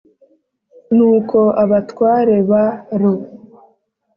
Nuko abatware ba ru